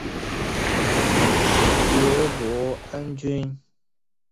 爵波恩君。